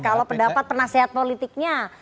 kalau pendapat penasehat politiknya